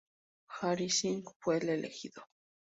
Hari Singh fue el elegido.